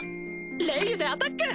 レイユでアタック！